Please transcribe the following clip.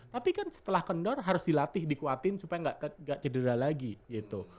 tapi kan setelah kendor harus dilatih dikuatin supaya nggak cedera lagi gitu